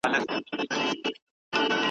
زما یقین دی خدای ته نه دی د منلو ,